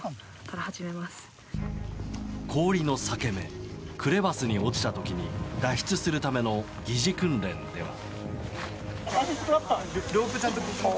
氷の裂け目クレパスに落ちた時脱出するための疑似訓練では。